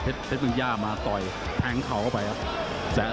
เพชรเมืองย่ามาต่อยแทงเข่าเข้าไปครับ